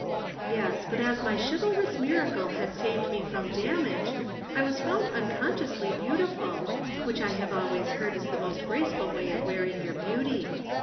"Yes, but as my chivalrous miracle had saved me from damage, I was found unconsciously beautiful (which I have always heard is the most graceful way of wearing your beauty).